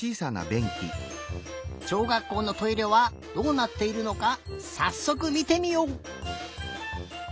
しょうがっこうのトイレはどうなっているのかさっそくみてみよう！